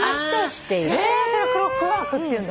それクロックワークっていうんだ。